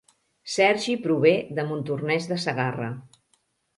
Sergi prové de Montornès de Segarra